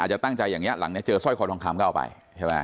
จะตั้งใจอย่างนี้หลังนี้เจอสร้อยคอทองคำก็เอาไปใช่ไหม